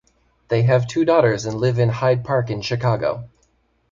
They have two daughters and live in Hyde Park in Chicago.